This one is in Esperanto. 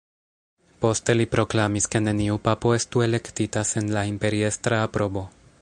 Poste li proklamis ke neniu papo estu elektita sen la imperiestra aprobo.